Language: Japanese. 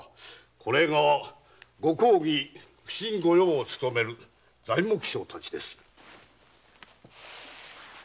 これがご公儀普請御用をつとめる材木商たちです。